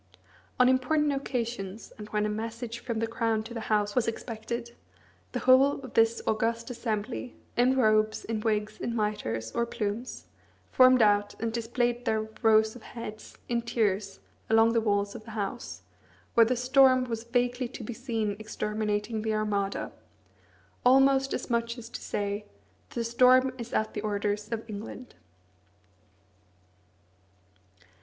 On important occasions, and when a message from the Crown to the House was expected, the whole of this august assembly in robes, in wigs, in mitres, or plumes formed out, and displayed their rows of heads, in tiers, along the walls of the House, where the storm was vaguely to be seen exterminating the Armada almost as much as to say, "The storm is at the orders of England."